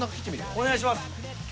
お願いします。